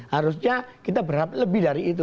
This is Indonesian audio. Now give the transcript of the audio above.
harusnya kita berharap lebih dari itu